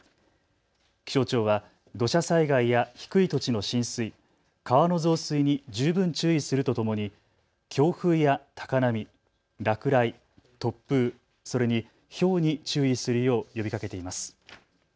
気象庁は土砂災害や低い土地の浸水、川の増水に十分注意するとともに強風や高波、落雷、突風、それにひょうに注意するよう呼びかけています。